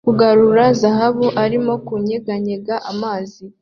Kugarura zahabu irimo kunyeganyeza amazi